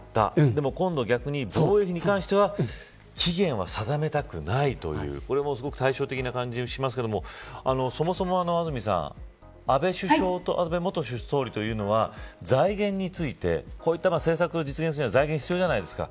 でも今度逆に防衛費に関しては期限は定めたくないというこれもすごく対照的な感じがしますがそもそも安積さん安倍元総理というのは財源についてこういった政策が実現するには財源が必要じゃないですか。